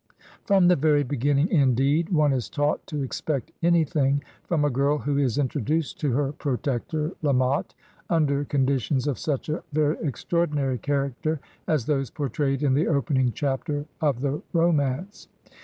From the very beginning, indeed, one is taught to expect anything from a girl who is introduced to her protector. La Motte, under conditions of such a very extraordinary character as those portrayed in the open ing chapter of the romance.